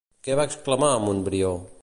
Què va exclamar Montbrió?